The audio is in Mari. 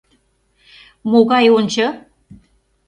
Могае, ончо!